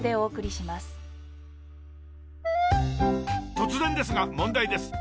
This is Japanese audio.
突然ですが問題です。